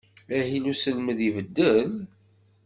Ahil n uselmed ibeddel?